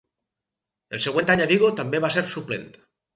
El següent any a Vigo també va ser suplent.